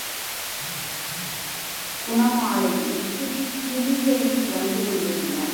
குணமாலை முத்துச் சிலிகையில் வந்து கொண்டிருந்தாள்.